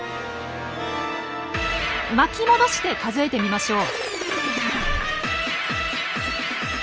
巻き戻して数えてみましょう。